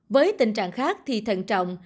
với tình trạng khác thì thận trọng